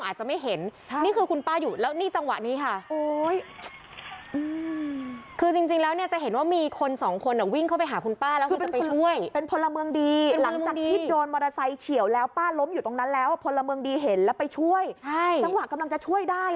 จังหวะกำลังจะช่วยได้